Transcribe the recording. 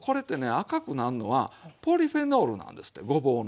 赤くなんのはポリフェノールなんですってごぼうの。